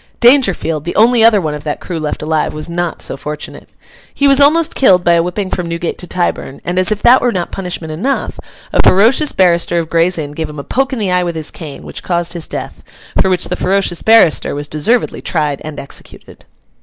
Dangerfield, the only other one of that crew left alive, was not so fortunate. He was almost killed by a whipping from Newgate to Tyburn, and, as if that were not punishment enough, a ferocious barrister of Gray's Inn gave him a poke in the eye with his cane, which caused his death; for which the ferocious barrister was deservedly tried and executed.